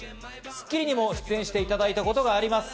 『スッキリ』にも出演していただいたことがあります。